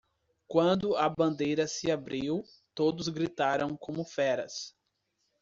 Quando a bandeira se abriu, todos gritaram como feras.